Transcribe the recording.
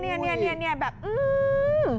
เนี่ยเนี่ยเนี่ยเนี่ยแบบอืม